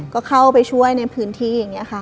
ก็เข้าไปช่วยในพื้นที่